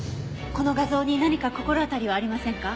この画像に何か心当たりはありませんか？